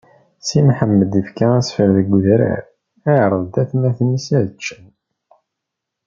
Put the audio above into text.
Si Mḥemmed ifka asfel deg udrar, iɛreḍ-d atmaten-is ad ččen.